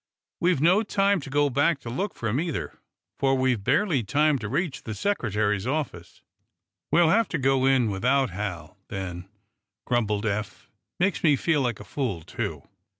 "We've no time to go back to look for him, either, for we've barely time to reach the Secretary's office." "We'll have to go in without Hal, then," grumbled Eph. "It makes me feel like a fool, too!"